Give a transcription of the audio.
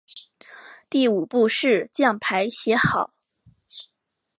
第五步是将牌写好。